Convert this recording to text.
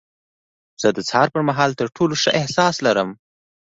زه د سهار پر مهال تر ټولو ښه احساس لرم.